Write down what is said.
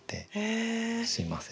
すみません。